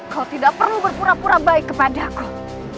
kau tidak perlu berpura pura baik kepada aku